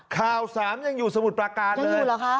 ข่าวสามยังอยู่สมุดประการเลยยังอยู่เหรอคะ